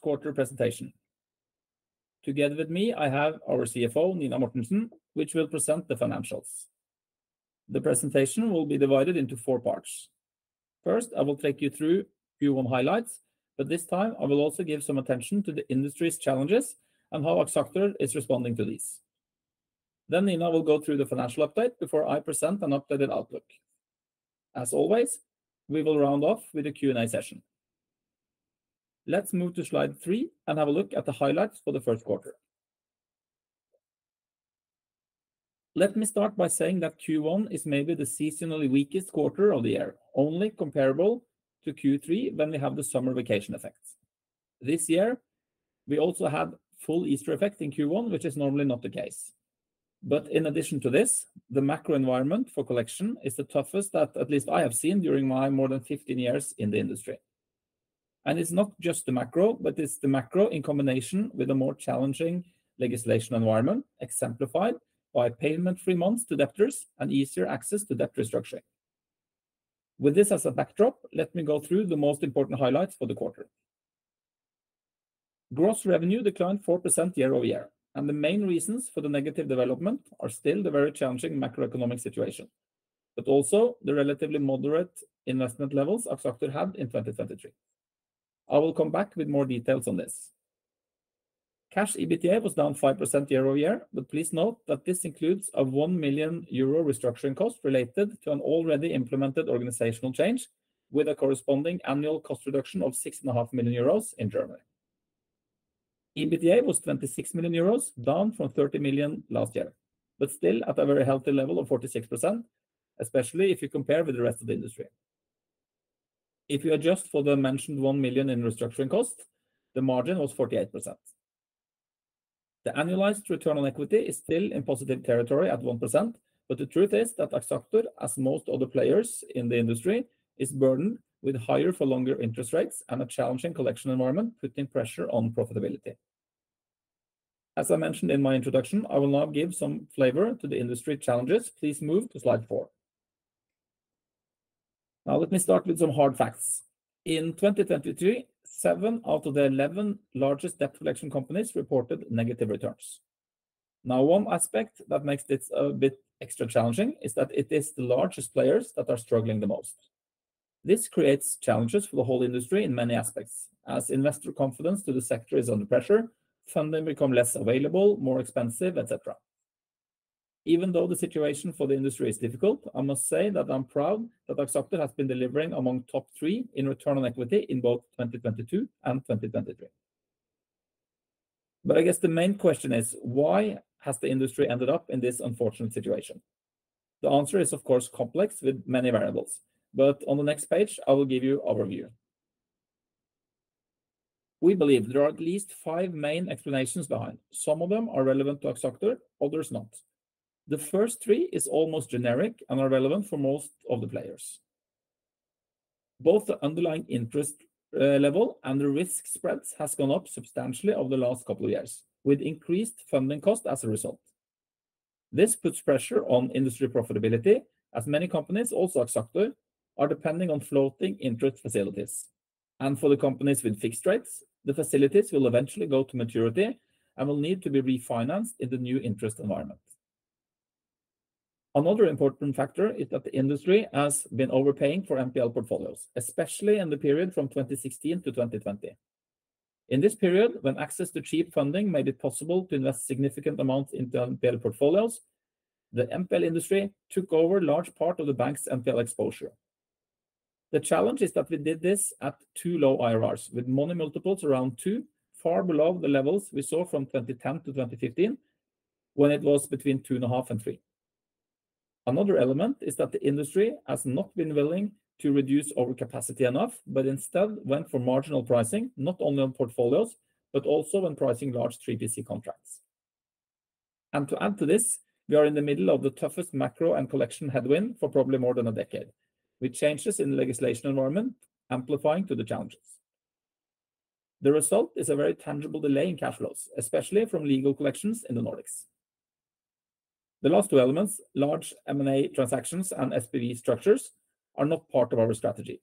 Quarter presentation. Together with me, I have our CFO, Nina Mortensen, which will present the financials. The presentation will be divided into four parts. First, I will take you through Q1 highlights, but this time I will also give some attention to the industry's challenges and how Axactor is responding to these. Then Nina will go through the financial update before I present an updated outlook. As always, we will round off with a Q&A session. Let's move to slide three and have a look at the highlights for the first quarter. Let me start by saying that Q1 is maybe the seasonally weakest quarter of the year, only comparable to Q3 when we have the summer vacation effect. This year, we also had full Easter effect in Q1, which is normally not the case. But in addition to this, the macro environment for collection is the toughest that at least I have seen during my more than 15 years in the industry. And it's not just the macro, but it's the macro in combination with a more challenging legislation environment, exemplified by payment-free months to debtors and easier access to debt restructuring. With this as a backdrop, let me go through the most important highlights for the quarter. Gross revenue declined 4% year-over-year, and the main reasons for the negative development are still the very challenging macroeconomic situation, but also the relatively moderate investment levels Axactor had in 2023. I will come back with more details on this. Cash EBITDA was down 5% year-over-year, but please note that this includes a 1 million euro restructuring cost related to an already implemented organizational change, with a corresponding annual cost reduction of 6.5 million euros in Germany. EBITDA was 26 million euros, down from 30 million last year, but still at a very healthy level of 46%, especially if you compare with the rest of the industry. If you adjust for the mentioned 1 million in restructuring costs, the margin was 48%. The annualized return on equity is still in positive territory at 1%, but the truth is that Axactor, as most other players in the industry, is burdened with higher for longer interest rates and a challenging collection environment, putting pressure on profitability. As I mentioned in my introduction, I will now give some flavor to the industry challenges. Please move to slide four. Now, let me start with some hard facts. In 2023, seven out of the 11 largest debt collection companies reported negative returns. Now, one aspect that makes this a bit extra challenging is that it is the largest players that are struggling the most. This creates challenges for the whole industry in many aspects, as investor confidence to the sector is under pressure, funding become less available, more expensive, et cetera. Even though the situation for the industry is difficult, I must say that I'm proud that Axactor has been delivering among top three in return on equity in both 2022 and 2023. But I guess the main question is: Why has the industry ended up in this unfortunate situation? The answer is, of course, complex, with many variables, but on the next page, I will give you overview. We believe there are at least five main explanations behind. Some of them are relevant to Axactor, others not. The first three is almost generic and are relevant for most of the players. Both the underlying interest level and the risk spreads has gone up substantially over the last couple of years, with increased funding costs as a result. This puts pressure on industry profitability, as many companies, also Axactor, are depending on floating interest facilities. And for the companies with fixed rates, the facilities will eventually go to maturity and will need to be refinanced in the new interest environment. Another important factor is that the industry has been overpaying for NPL portfolios, especially in the period from 2016-2020. In this period, when access to cheap funding made it possible to invest significant amounts into NPL portfolios, the NPL industry took over large part of the bank's NPL exposure. The challenge is that we did this at too low IRRs, with money multiples around 2x, far below the levels we saw from 2010-2015, when it was between 2.5x and 3x. Another element is that the industry has not been willing to reduce overcapacity enough, but instead went for marginal pricing, not only on portfolios, but also when pricing large 3PC contracts. To add to this, we are in the middle of the toughest macro and collection headwind for probably more than a decade, with changes in the legislation environment amplifying to the challenges. The result is a very tangible delay in cash flows, especially from legal collections in the Nordics. The last two elements, large M&A transactions and SPV structures, are not part of our strategy.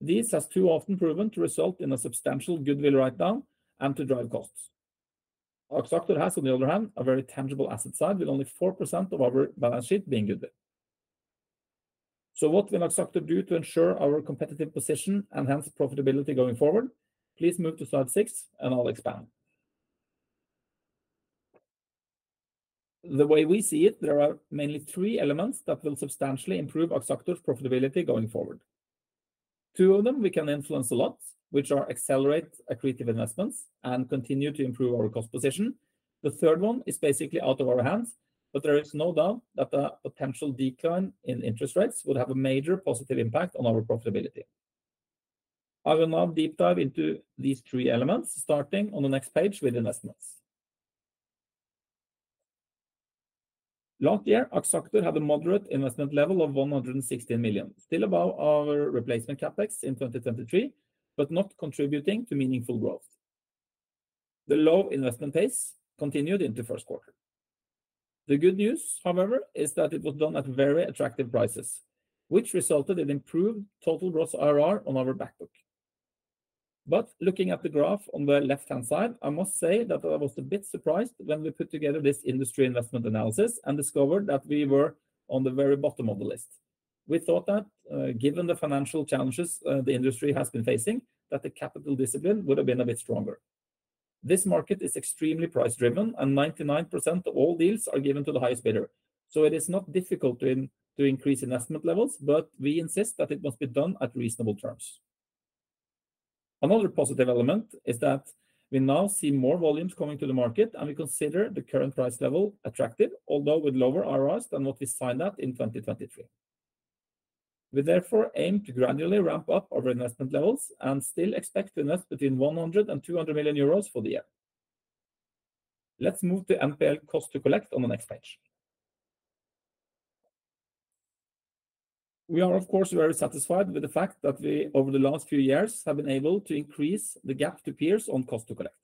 These has too often proven to result in a substantial goodwill write-down and to drive costs. Axactor has, on the other hand, a very tangible asset side, with only 4% of our balance sheet being goodwill. So what will Axactor do to ensure our competitive position and hence profitability going forward? Please move to slide six, and I'll expand. The way we see it, there are mainly three elements that will substantially improve Axactor's profitability going forward. Two of them, we can influence a lot, which are accelerate accretive investments and continue to improve our cost position. The third one is basically out of our hands, but there is no doubt that a potential decline in interest rates would have a major positive impact on our profitability. I will now deep dive into these three elements, starting on the next page with investments. Last year, Axactor had a moderate investment level of 116 million, still above our replacement CapEx in 2023, but not contributing to meaningful growth. The low investment pace continued into first quarter.... The good news, however, is that it was done at very attractive prices, which resulted in improved total gross IRR on our back book. But looking at the graph on the left-hand side, I must say that I was a bit surprised when we put together this industry investment analysis and discovered that we were on the very bottom of the list. We thought that, given the financial challenges, the industry has been facing, that the capital discipline would have been a bit stronger. This market is extremely price-driven, and 99% of all deals are given to the highest bidder. So it is not difficult to increase investment levels, but we insist that it must be done at reasonable terms. Another positive element is that we now see more volumes coming to the market, and we consider the current price level attractive, although with lower IRRs than what we signed at in 2023. We therefore aim to gradually ramp up our investment levels and still expect to invest between 100 million euros and 200 million euros for the year. Let's move to NPL cost to collect on the next page. We are, of course, very satisfied with the fact that we, over the last few years, have been able to increase the gap to peers on cost to collect.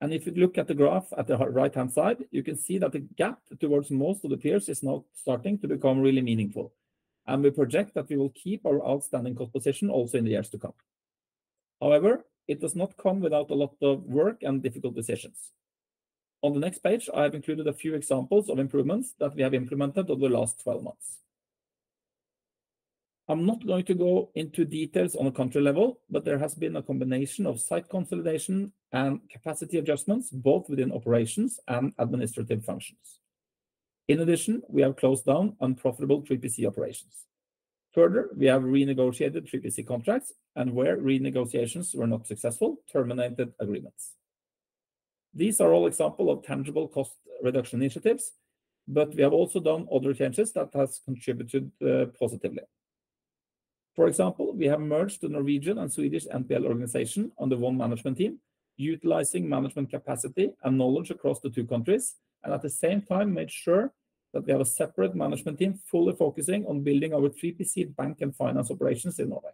If you look at the graph at the right-hand side, you can see that the gap towards most of the peers is now starting to become really meaningful, and we project that we will keep our outstanding cost position also in the years to come. However, it does not come without a lot of work and difficult decisions. On the next page, I have included a few examples of improvements that we have implemented over the last 12 months. I'm not going to go into details on a country level, but there has been a combination of site consolidation and capacity adjustments, both within operations and administrative functions. In addition, we have closed down unprofitable 3PC operations. Further, we have renegotiated 3PC contracts, and where renegotiations were not successful, terminated agreements. These are all examples of tangible cost reduction initiatives, but we have also done other changes that has contributed positively. For example, we have merged the Norwegian and Swedish NPL organization under one management team, utilizing management capacity and knowledge across the two countries, and at the same time made sure that we have a separate management team fully focusing on building our 3PC bank and finance operations in Norway.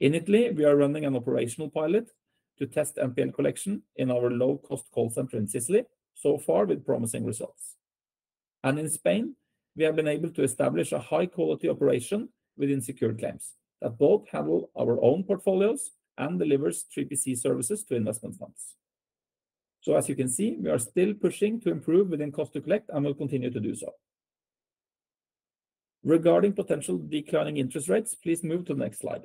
In Italy, we are running an operational pilot to test NPL collection in our low-cost call center in Sicily, so far with promising results. And in Spain, we have been able to establish a high-quality operation within secured claims that both handle our own portfolios and delivers 3PC services to investment funds. So as you can see, we are still pushing to improve within cost to collect and will continue to do so. Regarding potential declining interest rates, please move to the next slide.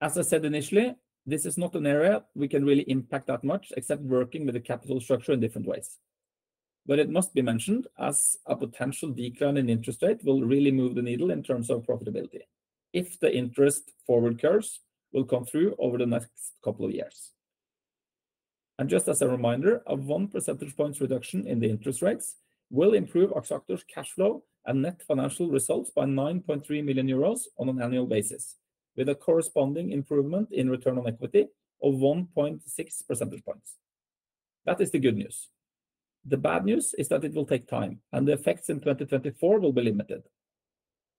As I said initially, this is not an area we can really impact that much, except working with the capital structure in different ways. But it must be mentioned as a potential decline in interest rate will really move the needle in terms of profitability if the interest forward curves will come through over the next couple of years. And just as a reminder, a one percentage points reduction in the interest rates will improve Axactor's cash flow and net financial results by 9.3 million euros on an annual basis, with a corresponding improvement in return on equity of 1.6 percentage points. That is the good news. The bad news is that it will take time, and the effects in 2024 will be limited.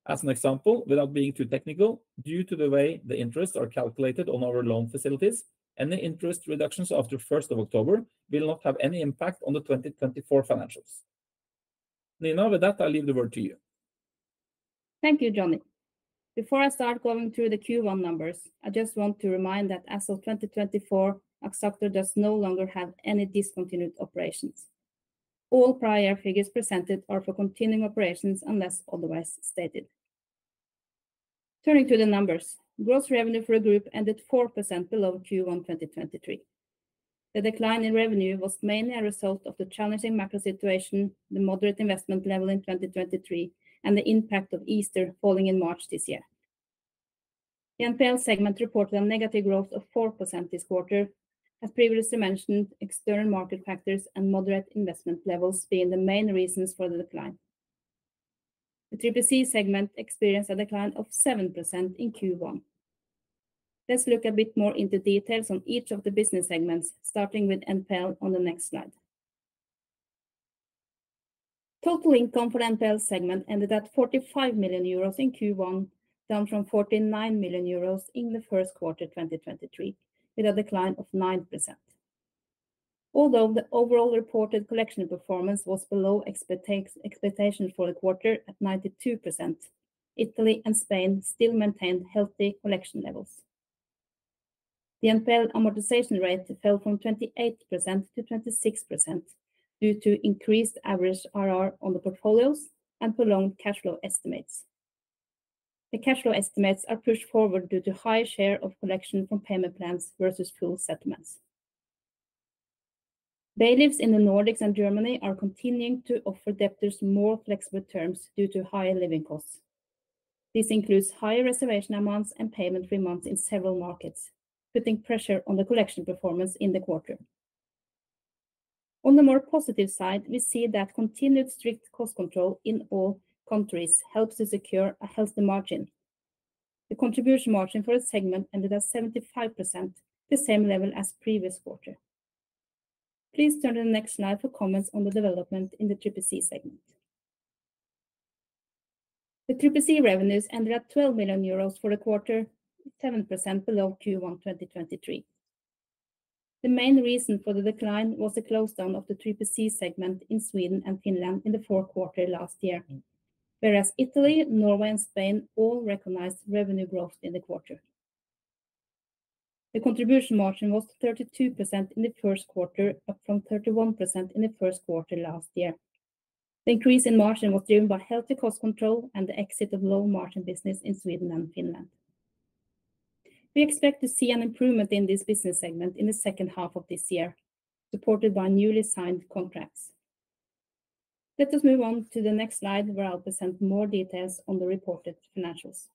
As an example, without being too technical, due to the way the interests are calculated on our loan facilities, any interest reductions after first of October will not have any impact on the 2024 financials. Nina, with that, I leave the word to you. Thank you, Johnny. Before I start going through the Q1 numbers, I just want to remind that as of 2024, Axactor does no longer have any discontinued operations. All prior figures presented are for continuing operations, unless otherwise stated. Turning to the numbers, gross revenue for the group ended 4% below Q1 2023. The decline in revenue was mainly a result of the challenging macro situation, the moderate investment level in 2023, and the impact of Easter falling in March this year. The NPL segment reported a negative growth of 4% this quarter. As previously mentioned, external market factors and moderate investment levels being the main reasons for the decline. The 3PC segment experienced a decline of 7% in Q1. Let's look a bit more into details on each of the business segments, starting with NPL on the next slide. Total income for the NPL segment ended at 45 million euros in Q1, down from 49 million euros in the first quarter 2023, with a decline of 9%. Although the overall reported collection performance was below expectation for the quarter at 92%, Italy and Spain still maintained healthy collection levels. The NPL amortization rate fell from 28% to 26% due to increased average IRR on the portfolios and prolonged cash flow estimates. The cash flow estimates are pushed forward due to high share of collection from payment plans versus full settlements. Bailiffs in the Nordics and Germany are continuing to offer debtors more flexible terms due to higher living costs. This includes higher reservation amounts and payment-free months in several markets, putting pressure on the collection performance in the quarter. On the more positive side, we see that continued strict cost control in all countries helps to secure a healthy margin. The contribution margin for a segment ended at 75%, the same level as previous quarter. Please turn to the next slide for comments on the development in the 3PC segment. The 3PC revenues ended at 12 million euros for the quarter, 7% below Q1 2023. The main reason for the decline was the close down of the 3PC segment in Sweden and Finland in the fourth quarter last year. Whereas Italy, Norway, and Spain all recognized revenue growth in the quarter. The contribution margin was 32% in the first quarter, up from 31% in the first quarter last year. The increase in margin was driven by healthy cost control and the exit of low margin business in Sweden and Finland. We expect to see an improvement in this business segment in the second half of this year, supported by newly signed contracts. Let us move on to the next slide, where I'll present more details on the reported financials.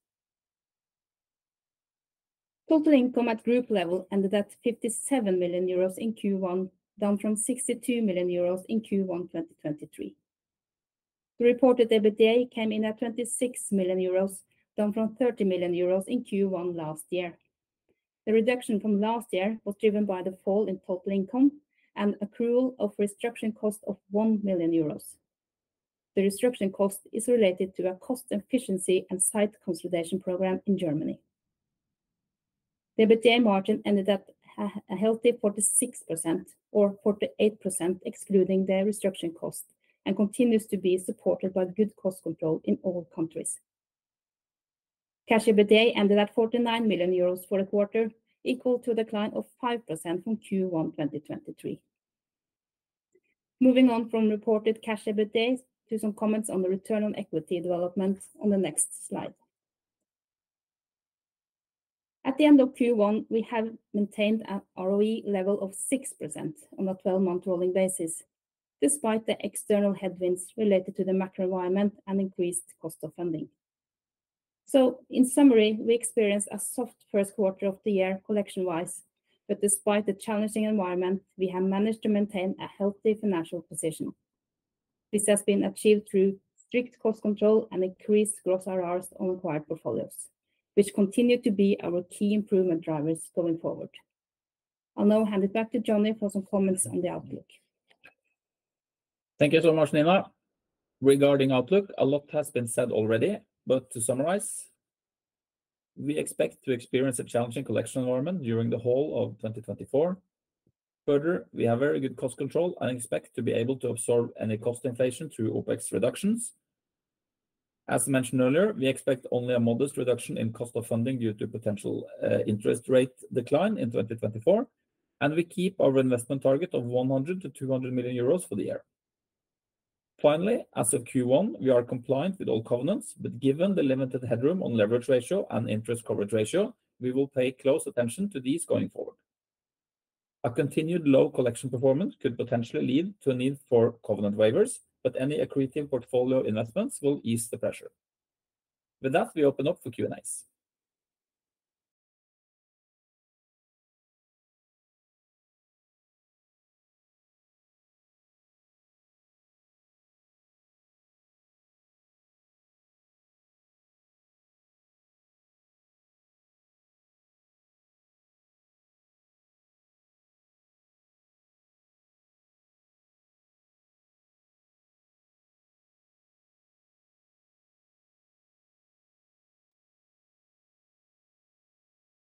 Total income at group level ended at 57 million euros in Q1, down from 62 million euros in Q1 2023. The reported EBITDA came in at 26 million euros, down from 30 million euros in Q1 last year. The reduction from last year was driven by the fall in total income and approval of restructuring cost of 1 million euros. The restructuring cost is related to a cost efficiency and site consolidation program in Germany. The EBITDA margin ended up at a healthy 46% or 48%, excluding their restructuring cost, and continues to be supported by good cost control in all countries. Cash EBITDA ended at 49 million euros for the quarter, equal to the decline of 5% from Q1 2023. Moving on from reported cash EBITDA to some comments on the return on equity development on the next slide. At the end of Q1, we have maintained an ROE level of 6% on a 12-month rolling basis, despite the external headwinds related to the macro environment and increased cost of funding. So in summary, we experienced a soft first quarter of the year collection wise, but despite the challenging environment, we have managed to maintain a healthy financial position. This has been achieved through strict cost control and increased gross RRRs on acquired portfolios, which continue to be our key improvement drivers going forward. I'll now hand it back to Johnny for some comments on the outlook. Thank you so much, Nina. Regarding outlook, a lot has been said already, but to summarize, we expect to experience a challenging collection environment during the whole of 2024. Further, we have very good cost control and expect to be able to absorb any cost inflation through OPEX reductions. As mentioned earlier, we expect only a modest reduction in cost of funding due to potential, interest rate decline in 2024, and we keep our investment target of 100 million-200 million euros for the year. Finally, as of Q1, we are compliant with all covenants, but given the limited headroom on leverage ratio and interest coverage ratio, we will pay close attention to these going forward. A continued low collection performance could potentially lead to a need for covenant waivers, but any accretive portfolio investments will ease the pressure. With that, we open up for Q&As.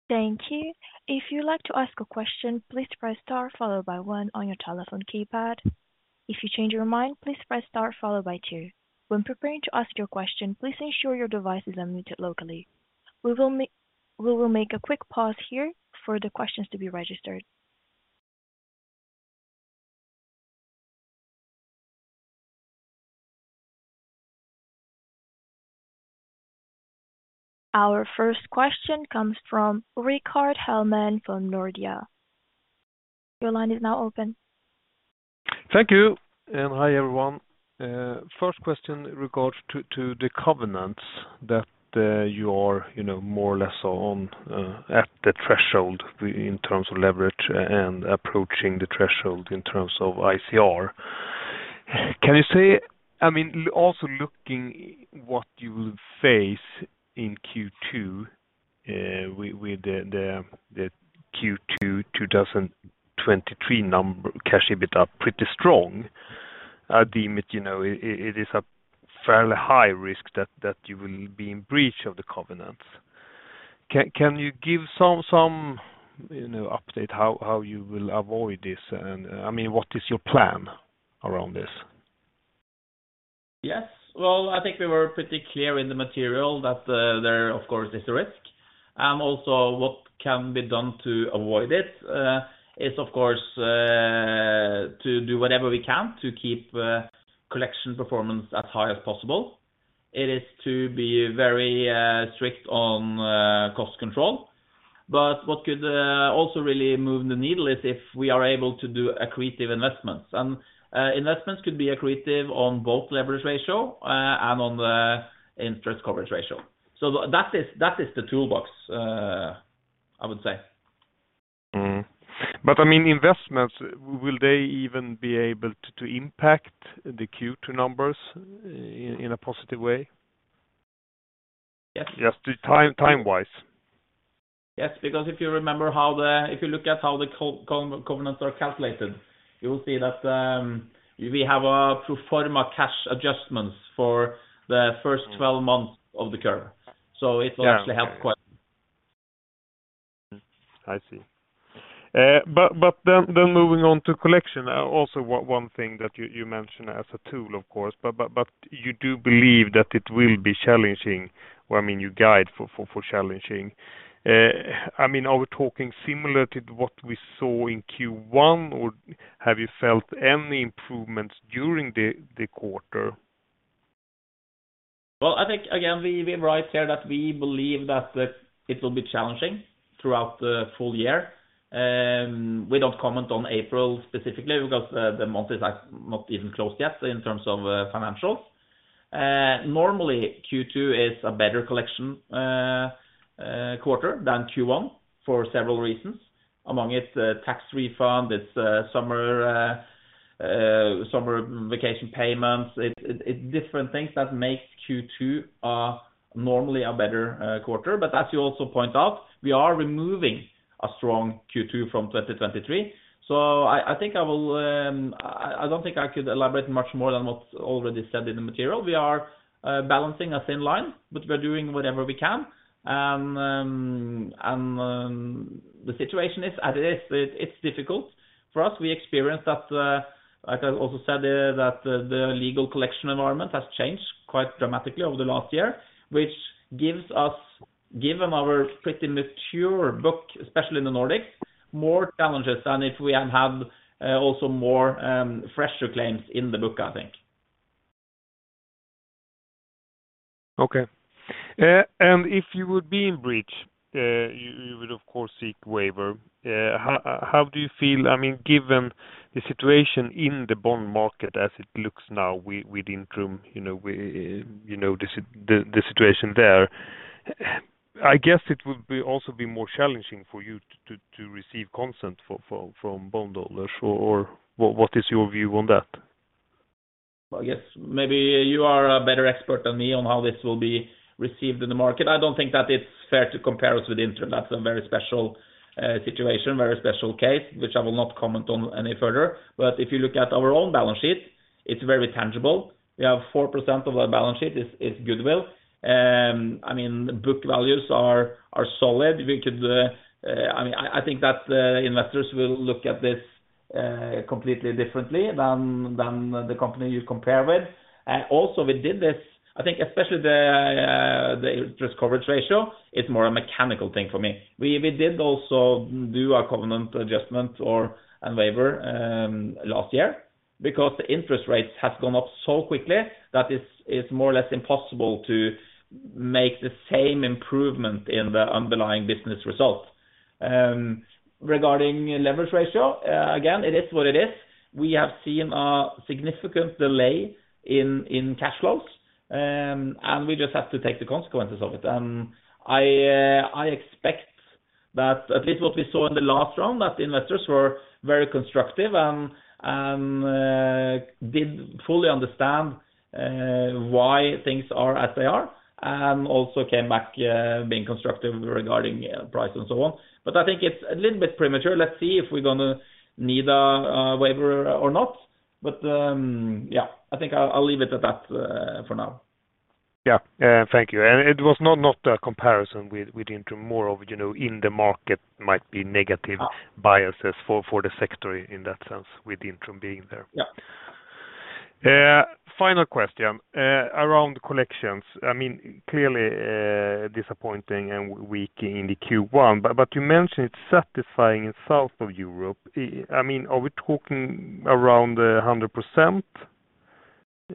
Thank you. If you'd like to ask a question, please press star, followed by one on your telephone keypad. If you change your mind, please press star, followed by two. When preparing to ask your question, please ensure your device is muted locally. We will make a quick pause here for the questions to be registered. Our first question comes from Rickard Hellman from Nordea. Your line is now open. Thank you, and hi, everyone. First question regards to the covenants that you are, you know, more or less on at the threshold in terms of leverage and approaching the threshold in terms of ICR. Can you say—I mean, also looking what you will face in Q2 with the Q2 2023 number, cash EBITDA pretty strong. I deem it, you know, it is a fairly high risk that you will be in breach of the covenants. Can you give some, you know, update how you will avoid this? And, I mean, what is your plan around this? Yes. Well, I think we were pretty clear in the material that there, of course, is a risk. Also, what can be done to avoid it is, of course, to do whatever we can to keep collection performance as high as possible. It is to be very strict on cost control. But what could also really move the needle is if we are able to do accretive investments. And investments could be accretive on both leverage ratio and on the interest coverage ratio. So that is, that is the toolbox, I would say. Mm-hmm. But I mean, investments, will they even be able to to impact the Q2 numbers in a positive way? Yes. Just to time, time-wise?... Yes, because if you remember how the, if you look at how the covenants are calculated, you will see that, we have a pro forma cash adjustments for the first 12 months of the curve. So it- Yeah - actually helped quite. I see. But then moving on to collection, also one thing that you mentioned as a tool, of course, but you do believe that it will be challenging, I mean, you guide for challenging. I mean, are we talking similar to what we saw in Q1, or have you felt any improvements during the quarter? Well, I think, again, we write here that we believe that it will be challenging throughout the full year. We don't comment on April specifically because the month is not even closed yet in terms of financials. Normally, Q2 is a better collection quarter than Q1 for several reasons. Among it, tax refund, it's summer vacation payments. It's different things that makes Q2 normally a better quarter. But as you also point out, we are removing a strong Q2 from 2023. So I think I don't think I could elaborate much more than what's already said in the material. We are balancing a thin line, but we're doing whatever we can. And the situation is, as it is, it's difficult for us. We experienced that, like I also said, that the legal collection environment has changed quite dramatically over the last year, which gives us, given our pretty mature book, especially in the Nordics, more challenges than if we had had also more fresher claims in the book, I think. Okay. And if you would be in breach, you would, of course, seek waiver. How do you feel, I mean, given the situation in the bond market as it looks now with Intrum, you know, with the situation there? I guess it would also be more challenging for you to receive consent from bondholders, or what is your view on that? Well, yes, maybe you are a better expert than me on how this will be received in the market. I don't think that it's fair to compare us with Intrum. That's a very special situation, very special case, which I will not comment on any further. But if you look at our own balance sheet, it's very tangible. We have 4% of our balance sheet is goodwill. I mean, book values are solid. We could, I mean, I think that investors will look at this completely differently than the company you compare with. Also, we did this, I think, especially the interest coverage ratio, it's more a mechanical thing for me. We did also do a covenant adjustment or a waiver last year because the interest rates have gone up so quickly that it's more or less impossible to make the same improvement in the underlying business result. Regarding leverage ratio, again, it is what it is. We have seen a significant delay in cash flows, and we just have to take the consequences of it. I expect that a bit what we saw in the last round, that the investors were very constructive and did fully understand why things are as they are, and also came back being constructive regarding price and so on. But I think it's a little bit premature. Let's see if we're going to need a waiver or not. But, yeah, I think I'll leave it at that for now. Yeah. Thank you. It was not a comparison with Intrum, more of, you know, in the market might be negative biases for the sector in that sense, with Intrum being there. Yeah. Final question around collections. I mean, clearly, disappointing and weak in the Q1, but you mentioned it's satisfying in south of Europe. I mean, are we talking around 100%,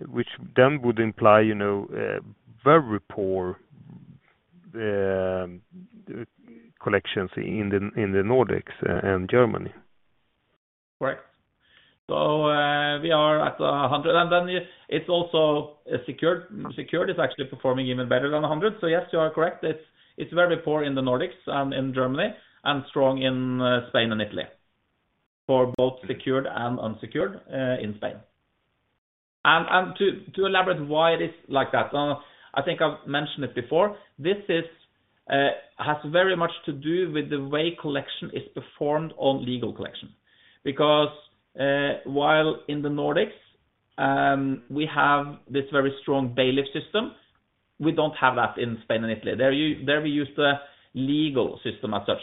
which then would imply, you know, a very poor collections in the Nordics and Germany? Right. So, we are at 100%, and then it's also a secured. Secured is actually performing even better than 100%. So yes, you are correct. It's very poor in the Nordics and in Germany, and strong in Spain and Italy, for both secured and unsecured in Spain. And to elaborate why it is like that, I think I've mentioned it before, this has very much to do with the way collection is performed on legal collection. Because while in the Nordics we have this very strong bailiff system, we don't have that in Spain and Italy. There, we use the legal system as such.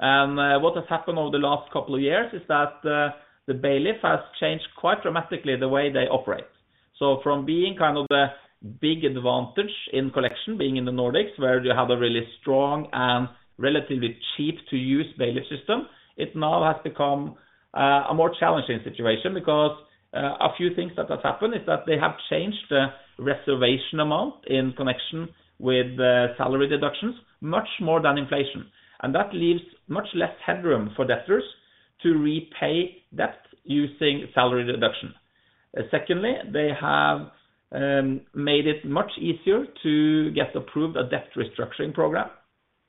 And what has happened over the last couple of years is that the bailiff has changed quite dramatically the way they operate. So from being kind of the big advantage in collection, being in the Nordics, where you have a really strong and relatively cheap to use bailiff system, it now has become a more challenging situation because a few things that has happened is that they have changed the reservation amount in connection with the salary deductions, much more than inflation. And that leaves much less headroom for debtors to repay debt using salary deduction. Secondly, they have made it much easier to get approved a debt restructuring program,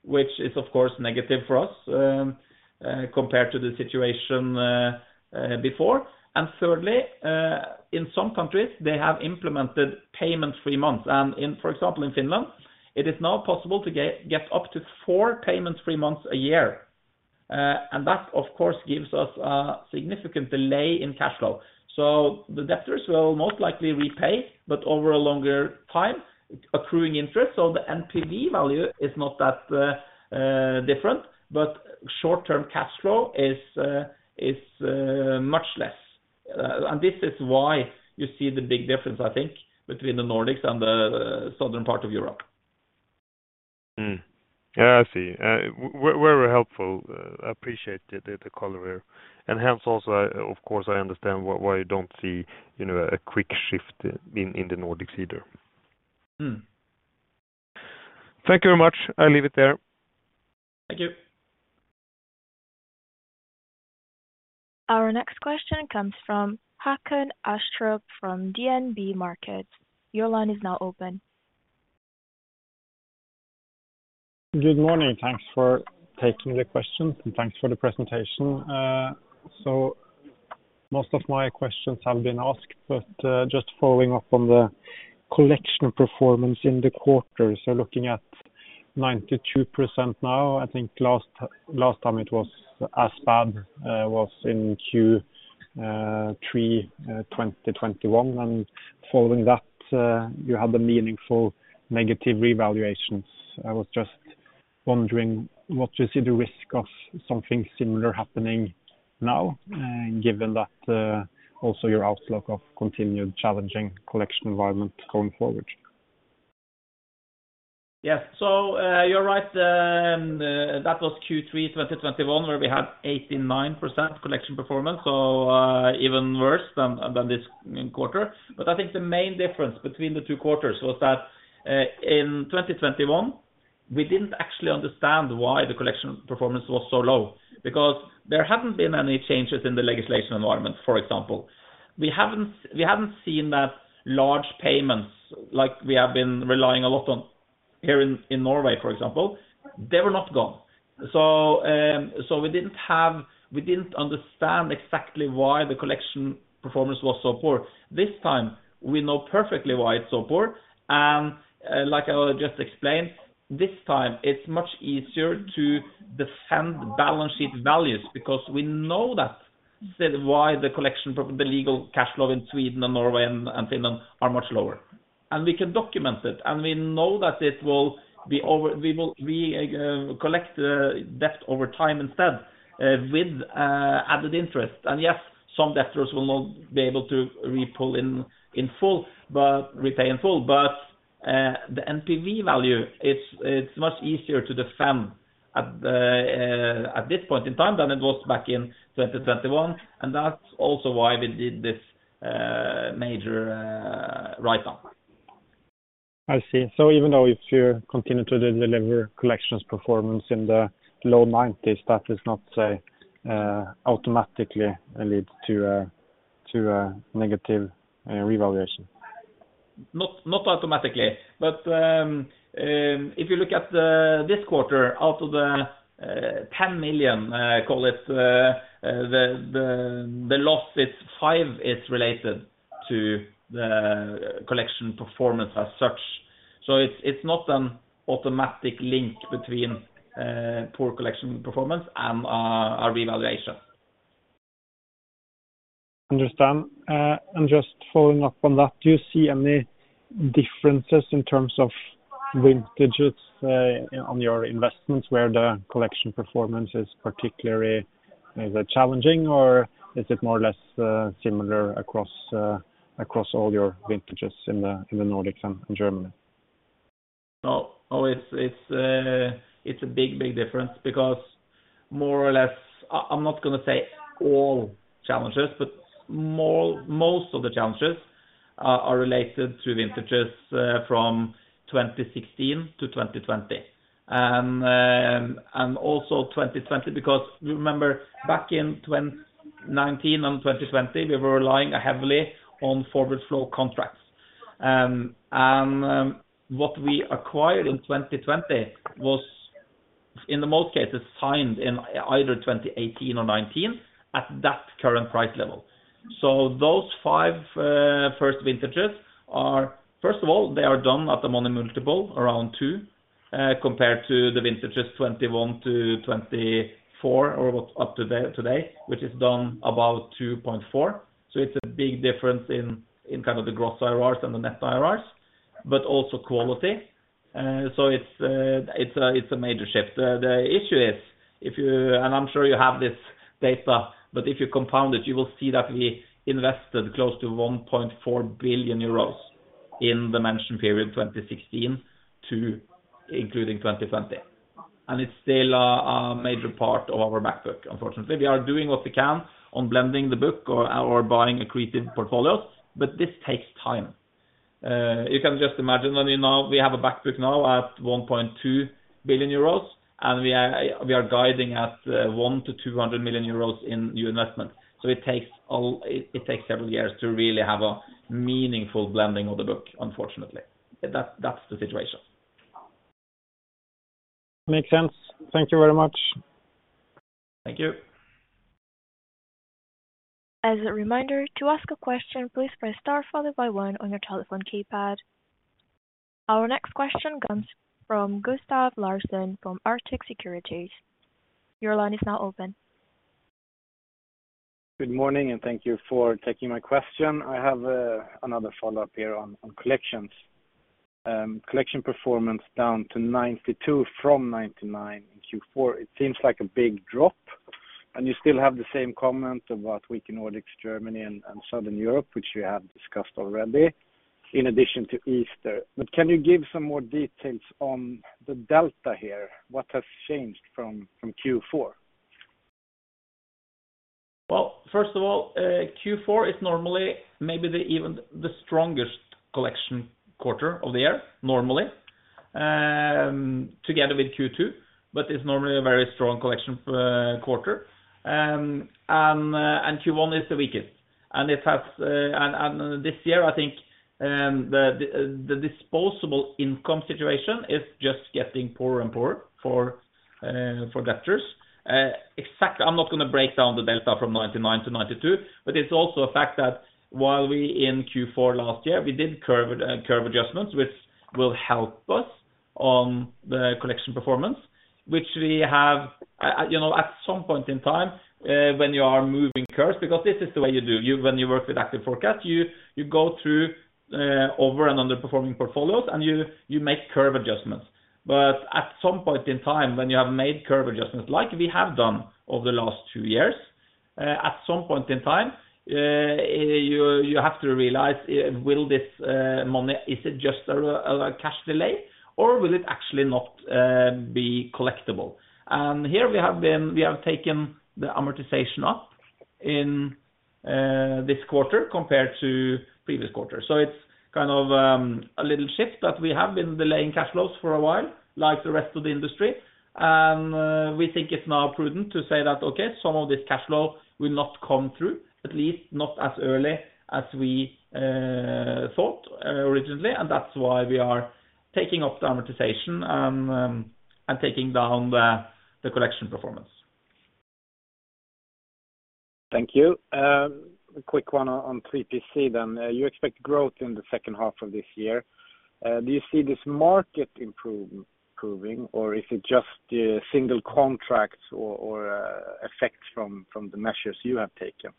which is, of course, negative for us, compared to the situation before. And thirdly, in some countries, they have implemented payment-free months. And in, for example, in Finland, it is now possible to get up to four payment-free months a year. And that of course gives us a significant delay in cash flow. So the debtors will most likely repay, but over a longer time, accruing interest, so the NPV value is not that different, but short-term cash flow is much less. And this is why you see the big difference, I think, between the Nordics and the southern part of Europe. Mmm. Yeah, I see. Very helpful. I appreciate the color here. And hence also, of course, I understand why you don't see, you know, a quick shift in the Nordics either. Mm. Thank you very much. I leave it there. Thank you. Our next question comes from Håkon Astrup from DNB Markets. Your line is now open. Good morning. Thanks for taking the question, and thanks for the presentation. So most of my questions have been asked, but just following up on the collection performance in the quarter. So looking at 92% now, I think last, last time it was as bad was in Q3 2021, and following that you had the meaningful negative revaluations. I was just wondering, what you see the risk of something similar happening now, given that also your outlook of continued challenging collection environment going forward? Yes. So, you're right, that was Q3 2021, where we had 89% collection performance, so even worse than this quarter. But I think the main difference between the two quarters was that in 2021, we didn't actually understand why the collection performance was so low, because there hadn't been any changes in the legislation environment, for example. We hadn't seen that large payments, like we have been relying a lot on here in Norway, for example, they were not gone. So, we didn't understand exactly why the collection performance was so poor. This time, we know perfectly why it's so poor, and, like I just explained, this time, it's much easier to defend balance sheet values, because we know why the collection from the legal cash flow in Sweden, Norway, and Finland are much lower. We can document it, and we know that it will be over. We will recollect debt over time instead with added interest. Yes, some debtors will not be able to repay in full. But the NPV value, it's much easier to defend at this point in time than it was back in 2021, and that's also why we did this major write off. I see. So even though if you continue to deliver collections performance in the low nineties, that does not, say, automatically lead to a negative revaluation? Not, not automatically. But if you look at this quarter, out of the 10 million, call it, the loss is 5 million, is related to the collection performance as such. So it's not an automatic link between poor collection performance and a revaluation. Understand. Just following up on that, do you see any differences in terms of vintages on your investments, where the collection performance is particularly challenging, or is it more or less similar across all your vintages in the Nordics and Germany? No, oh, it's, it's, it's a big, big difference because more or less, I'm not going to say all challenges, but most of the challenges are related to vintages from 2016-2020. And also 2020, because you remember back in 2019 and 2020, we were relying heavily on forward flow contracts. And what we acquired in 2020 was, in most cases, signed in either 2018 or 2019 at that current price level. So those five first vintages are... First of all, they are done at the money multiple, around 2, compared to the vintages 2021-2024, or what's up to today, which is done about 2.4. So it's a big difference in kind of the gross IRRs and the net IRRs, but also quality. So it's a major shift. The issue is, if you... And I'm sure you have this data, but if you compound it, you will see that we invested close to 1.4 billion euros in the mentioned period, 2016 to including 2020. And it's still a major part of our back book, unfortunately. We are doing what we can on blending the book or buying accretive portfolios, but this takes time. You can just imagine, I mean, now we have a back book now at 1.2 billion euros, and we are guiding at 100 million-200 million euros in new investment. So it takes several years to really have a meaningful blending of the book, unfortunately. But that's the situation. Makes sense. Thank you very much. Thank you. ...As a reminder, to ask a question, please press star followed by one on your telephone keypad. Our next question comes from Gustav Larsson from Arctic Securities. Your line is now open. Good morning, and thank you for taking my question. I have another follow-up here on, on collections. Collection performance down to 92% from 99% in Q4, it seems like a big drop, and you still have the same comment about weak in Nordics, Germany, and, and Southern Europe, which you have discussed already, in addition to Easter. But can you give some more details on the delta here? What has changed from, from Q4? Well, first of all, Q4 is normally maybe the, even the strongest collection quarter of the year, normally. Together with Q2, but it's normally a very strong collection quarter. And Q1 is the weakest. And it has—and this year, I think, the disposable income situation is just getting poorer and poorer for debtors. Exactly, I'm not gonna break down the delta from 99% to 92%, but it's also a fact that while we in Q4 last year, we did curve curve adjustments, which will help us on the collection performance, which we have. You know, at some point in time, when you are moving curves, because this is the way you do. You, when you work with active forecast, you go through over and underperforming portfolios, and you make curve adjustments. But at some point in time, when you have made curve adjustments, like we have done over the last two years, at some point in time, you have to realize, will this money, is it just a cash delay, or will it actually not be collectible? And here we have taken the amortization up in this quarter compared to previous quarter. So it's kind of a little shift that we have been delaying cash flows for a while, like the rest of the industry. We think it's now prudent to say that, okay, some of this cash flow will not come through, at least not as early as we thought, originally, and that's why we are taking up the amortization, and taking down the collection performance. Thank you. A quick one on 3PC then. You expect growth in the second half of this year. Do you see this market improving, or is it just the single contracts or effects from the measures you have taken?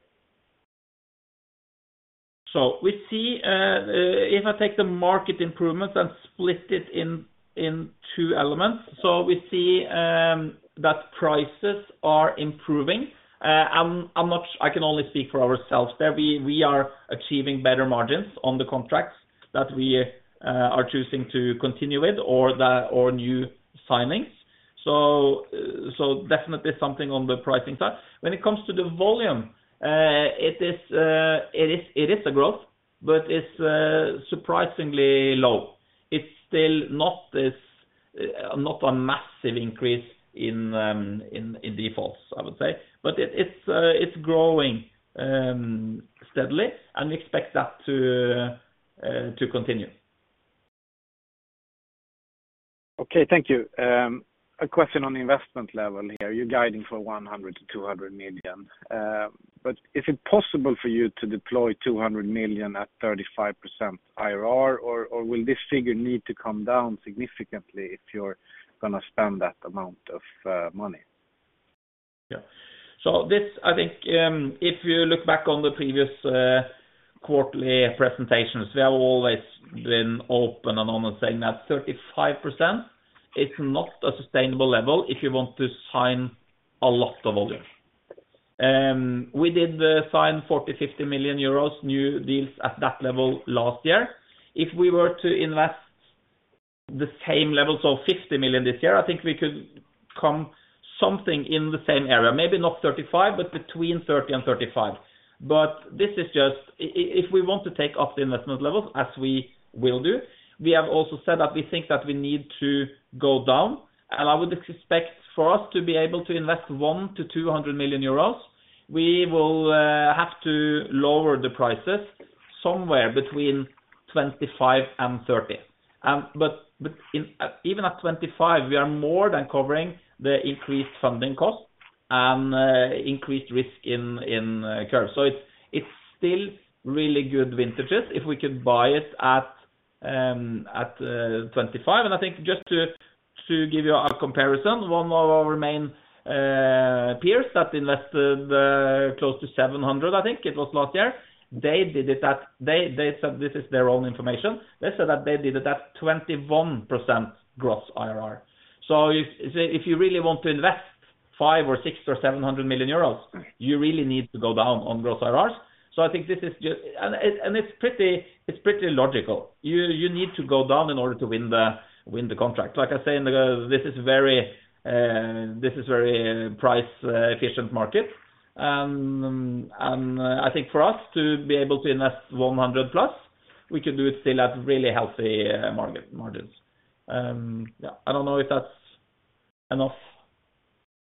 So we see, if I take the market improvements and split it in two elements, so we see that prices are improving. I'm not—I can only speak for ourselves there. We are achieving better margins on the contracts that we are choosing to continue with, or new signings. So definitely something on the pricing side. When it comes to the volume, it is a growth, but it's surprisingly low. It's still not this, not a massive increase in defaults, I would say. But it's growing steadily, and we expect that to continue. Okay, thank you. A question on the investment level here. You're guiding for 100 million-200 million. But is it possible for you to deploy 200 million at 35% IRR, or, or will this figure need to come down significantly if you're gonna spend that amount of money? Yeah. So this, I think, if you look back on the previous quarterly presentations, we have always been open and honest, saying that 35% is not a sustainable level if you want to sign a lot of volume. We did sign 40 million-50 million euros new deals at that level last year. If we were to invest the same level, so 50 million this year, I think we could come something in the same area, maybe not 35%, but between 30% and 35%. But this is just... If we want to take up the investment levels, as we will do, we have also said that we think that we need to go down, and I would expect for us to be able to invest 100 million-200 million euros, we will have to lower the prices somewhere between 25% and 30%. But, but in, even at 25%, we are more than covering the increased funding cost and, increased risk in, in curves. So it's, it's still really good vintages if we can buy it at, at, 25%. And I think just to, to give you a comparison, one of our main, peers that invested, close to 700 million, I think it was last year, they did it at- they, they said this is their own information. They said that they did it at 21% gross IRR. So if, if, if you really want to invest 500 million or 600 million or 700 million euros, you really need to go down on gross IRRs. So I think this is just-- and, and, and it's pretty, it's pretty logical. You, you need to go down in order to win the, win the contract. Like I say, this is very price efficient market. I think for us to be able to invest 100+ million, we could do it still at really healthy margins. Yeah. I don't know if that's enough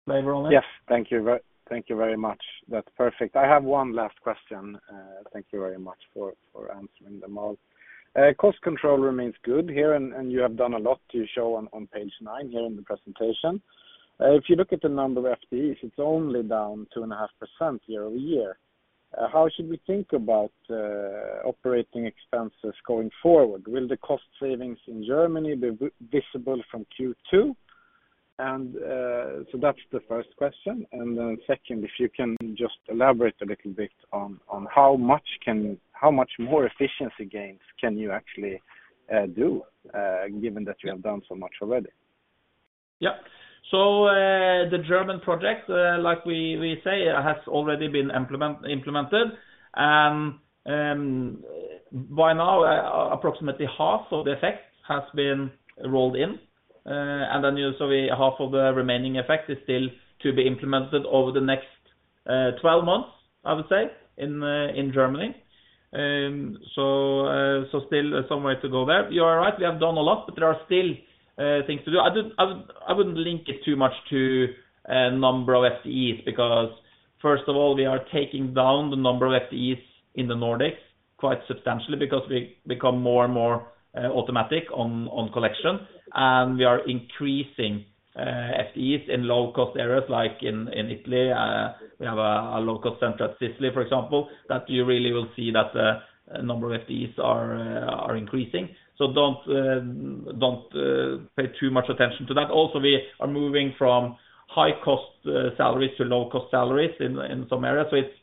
flavor on it. Yes. Thank you very, thank you very much. That's perfect. I have one last question. Thank you very much for, for answering them all. Cost control remains good here, and, and you have done a lot to show on, on page nine here in the presentation. If you look at the number of FTEs, it's only down 2.5% year-over-year. How should we think about operating expenses going forward? Will the cost savings in Germany be visible from Q2? And so that's the first question. And then second, if you can just elaborate a little bit on how much more efficiency gains can you actually do, given that you have done so much already? Yeah. So, the German project, like we say, has already been implemented. And, by now, approximately half of the effect has been rolled in, and then, you know, so half of the remaining effect is still to be implemented over the next 12 months, I would say, in Germany. So, still some way to go there. You are right, we have done a lot, but there are still things to do. I wouldn't link it too much to number of FTEs, because, first of all, we are taking down the number of FTEs in the Nordics quite substantially because we become more and more automatic on collection, and we are increasing FTEs in low-cost areas, like in Italy. We have a local center at Sicily, for example, that you really will see that number of FTEs are increasing. So don't pay too much attention to that. Also, we are moving from high-cost salaries to low-cost salaries in some areas, so it's.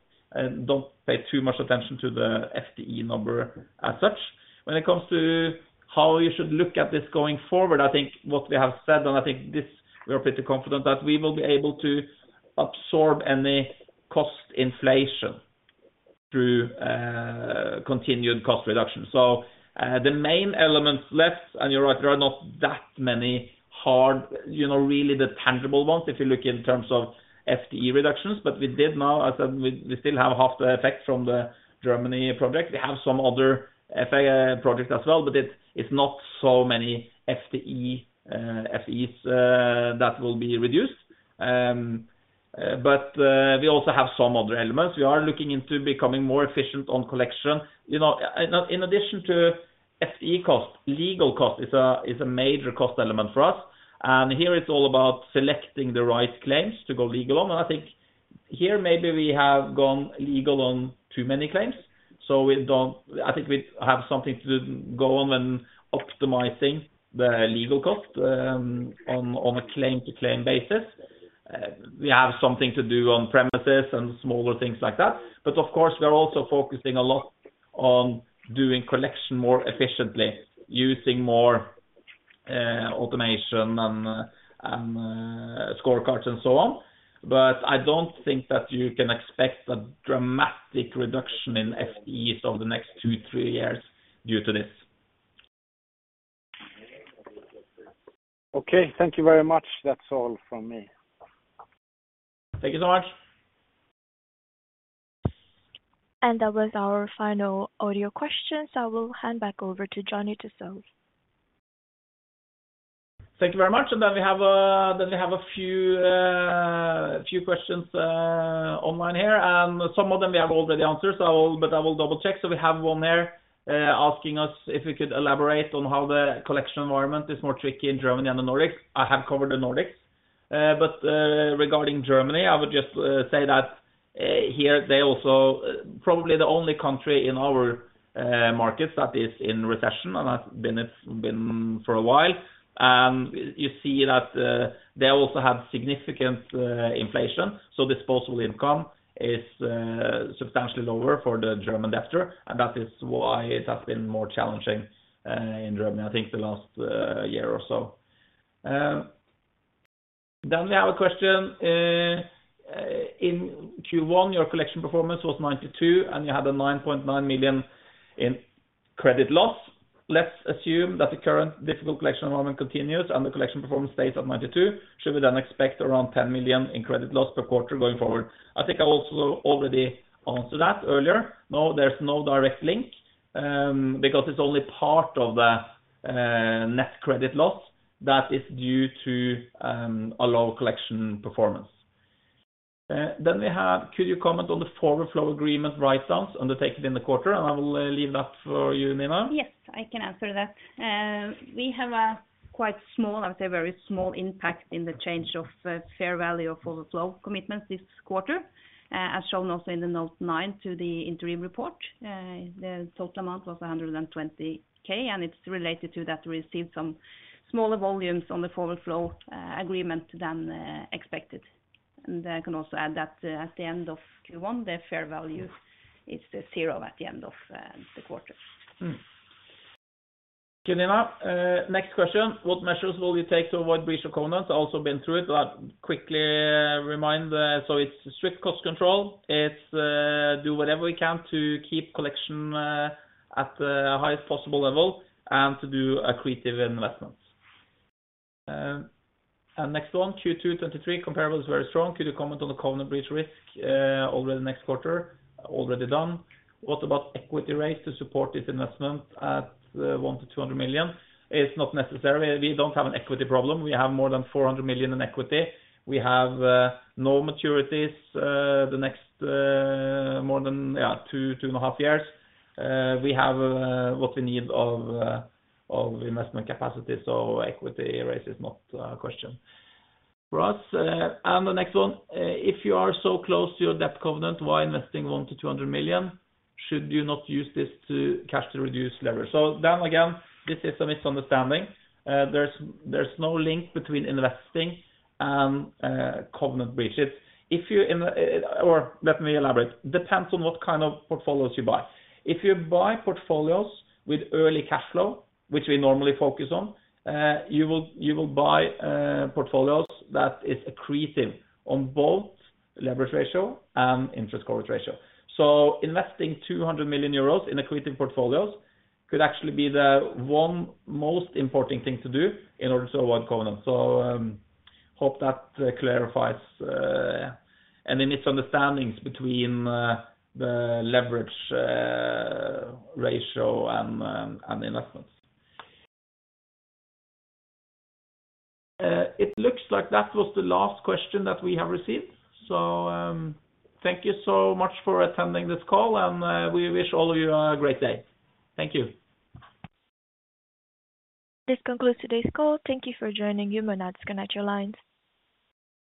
Don't pay too much attention to the FTE number as such. When it comes to how you should look at this going forward, I think what we have said, and I think this we are pretty confident, that we will be able to absorb any cost inflation through continued cost reduction. So the main elements left, and you're right, there are not that many hard, you know, really the tangible ones, if you look in terms of FTE reductions. But we did now, as I said, we still have half the effect from the Germany project. We have some other FI projects as well, but it's not so many FTEs that will be reduced. But we also have some other elements. We are looking into becoming more efficient on collection. You know, in addition to FTE cost, legal cost is a major cost element for us, and here it's all about selecting the right claims to go legal on. And I think here, maybe we have gone legal on too many claims, so we don't. I think we have something to go on when optimizing the legal cost, on a claim-to-claim basis. We have something to do on premises and smaller things like that, but of course, we are also focusing a lot on doing collection more efficiently, using more automation and scorecards and so on. But I don't think that you can expect a dramatic reduction in FTEs over the next two to three years due to this. Okay, thank you very much. That's all from me. Thank you so much. That was our final audio question, so I will hand back over to Johnny Tsolis. Thank you very much. Then we have a few questions online here, and some of them we have already answered, so I will, but I will double-check. So we have one there asking us if we could elaborate on how the collection environment is more tricky in Germany and the Nordics? I have covered the Nordics. But regarding Germany, I would just say that here they also probably the only country in our markets that is in recession, and that's been, it's been for a while. And you see that they also have significant inflation, so disposable income is substantially lower for the German debtor, and that is why it has been more challenging in Germany, I think, the last year or so. Then we have a question. In Q1, your collection performance was 92%, and you had 9.9 million in credit loss. Let's assume that the current difficult collection environment continues and the collection performance stays at 92%, should we then expect around 10 million in credit loss per quarter going forward? I think I also already answered that earlier. No, there's no direct link, because it's only part of the net credit loss that is due to a low collection performance. Then we have: Could you comment on the forward flow agreement write-downs undertaken in the quarter? And I will leave that for you, Nina. Yes, I can answer that. We have a quite small, I would say very small impact in the change of fair value of forward flow commitments this quarter, as shown also in the note nine to the interim report. The total amount was 120,000, and it's related to that we received some smaller volumes on the forward flow agreement than expected. And I can also add that at the end of Q1, the fair value is zero at the end of the quarter. Thank you, Nina. Next question: What measures will you take to avoid breach of covenants? Also been through it, but quickly remind, so it's strict cost control, it's, do whatever we can to keep collection at the highest possible level and to do accretive investments. And next one, Q2 2023 comparable is very strong. Could you comment on the covenant breach risk over the next quarter? Already done. What about equity rates to support this investment at 100 million-200 million? It's not necessary. We don't have an equity problem. We have more than 400 million in equity. We have no maturities the next more than, yeah, two, two and a half years. We have what we need of of investment capacity, so equity raise is not a question for us. And the next one, if you are so close to your debt covenant, why investing 100-200 million? Should you not use this cash to reduce leverage? So then again, this is a misunderstanding. There's, there's no link between investing and covenant breaches. If you in the- or let me elaborate. Depends on what kind of portfolios you buy. If you buy portfolios with early cash flow, which we normally focus on, you will, you will buy portfolios that is accretive on both leverage ratio and interest coverage ratio. So investing 200 million euros in accretive portfolios could actually be the one most important thing to do in order to avoid covenant. So, hope that clarifies any misunderstandings between the leverage ratio, and and investments. It looks like that was the last question that we have received. So, thank you so much for attending this call, and we wish all of you a great day. Thank you. This concludes today's call. Thank you for joining. You may now disconnect your lines.